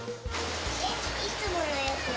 いつものやつは？